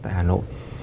tại hà nội